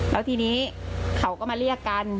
แล้วทีนี้เขาก็มาเรียกกัน